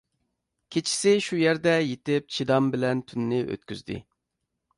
كېچىسى شۇ يەردە يېتىپ چىدام بىلەن تۈننى ئۆتكۈزدى.